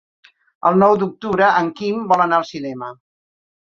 El nou d'octubre en Quim vol anar al cinema.